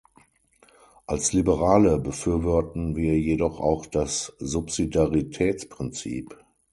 Als Liberale befürworten wir jedoch auch das Subsidiaritätsprinzip.